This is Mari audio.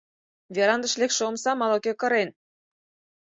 — Верандыш лекше омсам ала-кӧ кырен.